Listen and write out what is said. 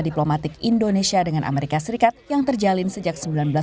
diplomatik indonesia dengan as yang terjalin sejak seribu sembilan ratus empat puluh sembilan